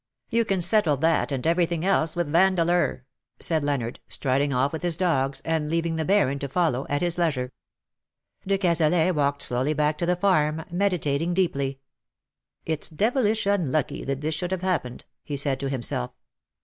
""" You can settle that and everything else with Vandeleur/' said Leonard, striding oif with his dogs, and leaving the Baron to follow at his leisure. De Cazalet walked slowly back to the farm, meditating deeply. "It's devilish unlucky that this should have hap pened," he said to himself.